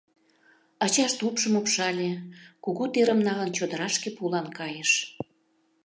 Ачашт упшым упшале, кугу терым налын, чодырашке пулан кайыш.